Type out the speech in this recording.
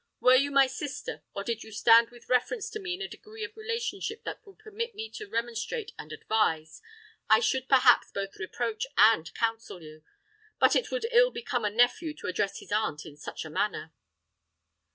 "Were you my sister, or did you stand with reference to me in a degree of relationship that would permit me to remonstrate and advise, I should perhaps both reproach and counsel you. But it would ill become a nephew to address his aunt in such a manner."